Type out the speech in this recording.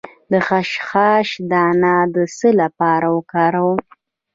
د خشخاش دانه د څه لپاره وکاروم؟